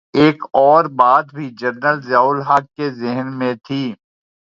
ایک اور بات بھی جنرل ضیاء الحق کے ذہن میں تھی۔